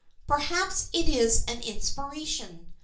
"Perhaps it is an inspiration.